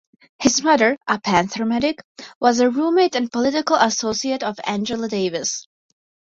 His mother, a Panther medic, was a roommate and political associate of Angela Davis.